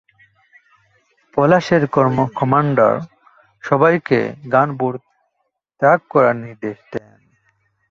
পলাশের কমান্ডার সবাইকে গানবোট ত্যাগ করার নির্দেশ দেন।